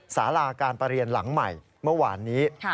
สาราการประเรียนหลังใหม่เมื่อวานนี้